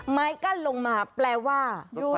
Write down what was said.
ไม้กั้นลงมาแปลว่า